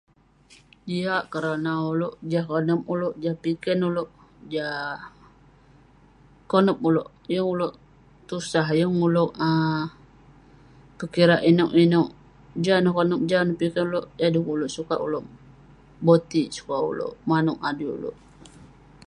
Jiak kerana ulouk jah konep ulouk, jah piken ulouk, jah konep ulouk. Yeng ulouk tusah, yeng ulouk um pekirak inouk inouk. Jah neh konep, jah neh piken. Yah dekuk ulouk sukat ulouk boti'ik, sukat ulouk manouk adui ulouk.